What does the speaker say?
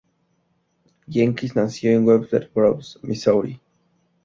Jenkins nació en Webster Groves, Missouri.